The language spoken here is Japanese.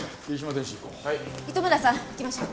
糸村さん行きましょう。